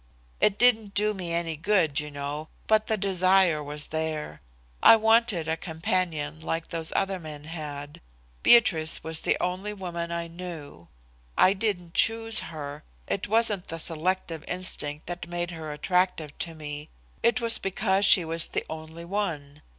It didn't do me any good, you know, but the desire was there. I wanted a companion like those other men had. Beatrice was the only woman I knew. I didn't choose her. It wasn't the selective instinct that made her attractive to me. It was because she was the only one.